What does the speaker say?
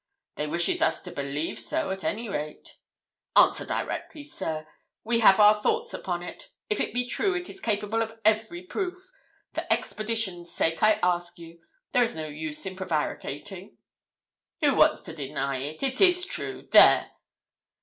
'They wishes us to believe so, at any rate.' 'Answer directly, sir. We have our thoughts upon it. If it be true, it is capable of every proof. For expedition's sake I ask you. There is no use in prevaricating.' 'Who wants to deny it? It is true there!'